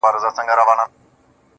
مـاتــه يــاديـــده اشـــــنـــا.